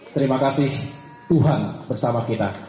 terima kasih tuhan bersama kita